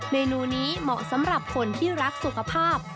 เมนูนี้เหมาะสำหรับคนที่รักสุขภาพ